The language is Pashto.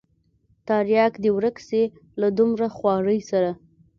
ترياک دې ورک سي له دومره خوارۍ سره.